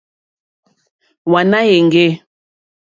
Wàná èŋɡê.